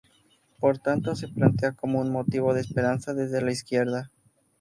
Por tanto se plantea como un motivo de esperanza desde la izquierda.